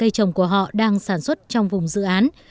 cây trồng của họ đang sản xuất trong vùng dự án